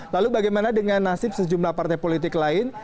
lalu bagaimana dengan nasib sejumlah partai politik lain